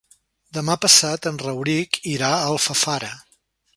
Demà passat en Rauric irà a Alfafara.